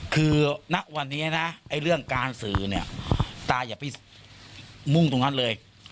มุ่งตรงนั้นเลย